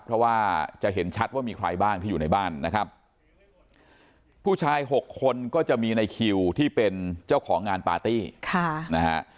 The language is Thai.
เพราะว่าจะเห็นชัดว่ามีใครบ้างที่อยู่ในบ้านนะครับผู้ชาย๖คนก็จะมีในคิวที่เป็นเจ้าของงานปาร์ตี้ค่ะนะฮะ